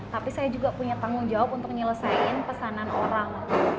tapi saya juga punya tanggung jawab untuk menyelesaikan pesanan orang